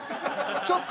ちょっと。